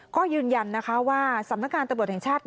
ก็ยืนยันนะคะว่าสำนักงานตำรวจแห่งชาติ